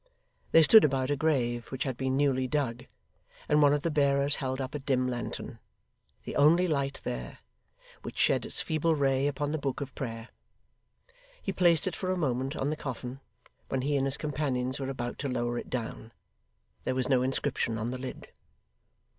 They stood about a grave which had been newly dug, and one of the bearers held up a dim lantern, the only light there which shed its feeble ray upon the book of prayer. He placed it for a moment on the coffin, when he and his companions were about to lower it down. There was no inscription on the lid.